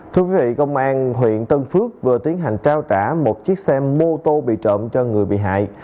thưa quý vị công an huyện tân phước vừa tiến hành trao trả một chiếc xe mô tô bị trộm cho người bị hại